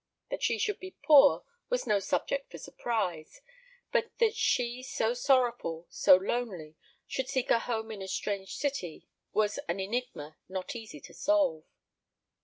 That she should be poor was no subject for surprise; but that she, so sorrowful, so lonely, should seek a home in a strange city, was an enigma not easy to solve.